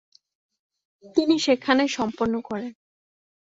তিনি সেখানে সম্পন্ন করেন।